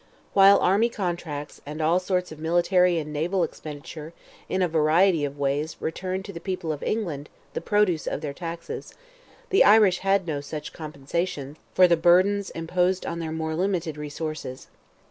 While army contracts, and all sorts of military and naval expenditure in a variety of ways returned to the people of England the produce of their taxes, the Irish had no such compensation for the burdens imposed on their more limited resources.